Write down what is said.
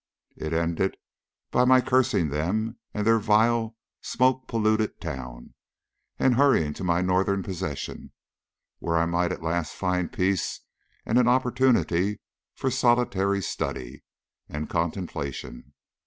It ended by my cursing them and their vile, smoke polluted town, and hurrying to my northern possession, where I might at last find peace and an opportunity for solitary study and contemplation.